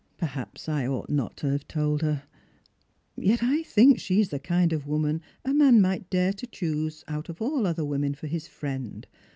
" Perhaps I ought not to have told her. Yet I think she is the kind of woman a man might dare to choose out of all other women for his friend.